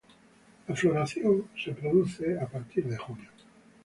La floración se produce a partir de junio.